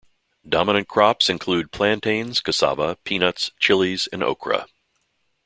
Dominant crops include plantains, cassava, peanuts, chillis, and okra.